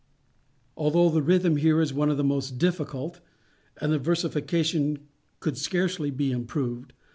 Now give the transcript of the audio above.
_ Although the rhythm here is one of the most difficult, the versification could scarcely be improved.